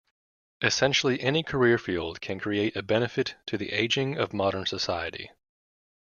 Essentially any career field can create a benefit to the aging of modern society.